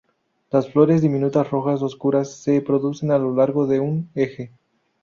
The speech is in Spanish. Las flores diminutas rojas oscuras se producen a lo largo de un eje.